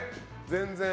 全然。